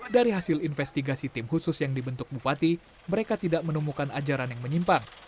dari hasil investigasi tim khusus yang dibentuk bupati mereka tidak menemukan ajaran yang menyimpang